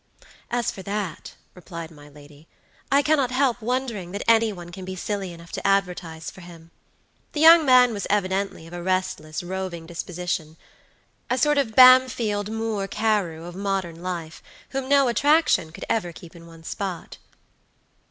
"As for that," replied my lady, "I cannot help wondering that any one can be silly enough to advertise for him. The young man was evidently of a restless, roving dispositiona sort of Bamfyld Moore Carew of modern life, whom no attraction could ever keep in one spot."